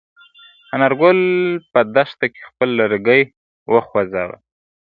انارګل په دښته کې خپل لرګی وخوځاوه.